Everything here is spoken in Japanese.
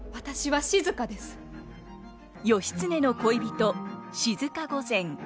義経の恋人静御前。